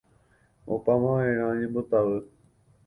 Opámavaʼerã ñembotavy.